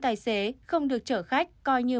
tài xế không được trở khách coi như